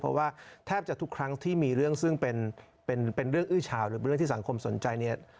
เพราะว่าแทบจะทุกครั้งที่มีเรื่องซึ่งเป็นเรื่องอื้อเฉาหรือเป็นเรื่องที่สังคมสนใจเนี่ย